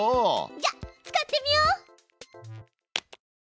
じゃあ使ってみよう！